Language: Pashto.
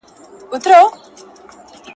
تېری کوونکی به سزا وویني.